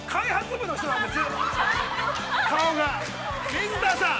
水田さん！